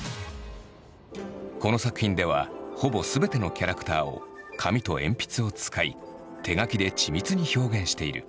この作品ではほぼすべてのキャラクターを紙と鉛筆を使い手描きで緻密に表現している。